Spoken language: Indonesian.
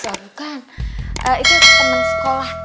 ya bukan itu teman sekolah